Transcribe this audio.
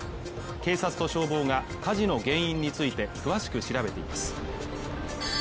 警察と消防が火事の原因について詳しく調べています